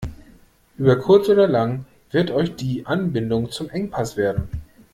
Über kurz oder lang wird euch die Anbindung zum Engpass werden.